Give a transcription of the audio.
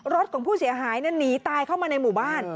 รถของผู้เสียหายหนีตายเข้ามาในหมู่บ้าน